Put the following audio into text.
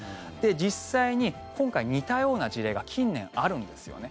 実際に今回、似たような事例が近年、あるんですよね。